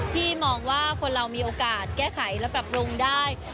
ที่มองว่าคนเรามีโอกาสแก้ไขและปรับปรุงได้